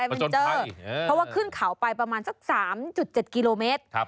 มันเจอเพราะว่าขึ้นเขาไปประมาณสัก๓๗กิโลเมตร